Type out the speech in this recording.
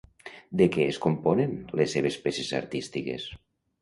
De què es componen les seves peces artístiques?